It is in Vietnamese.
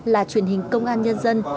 là truyền hình công an nhân dân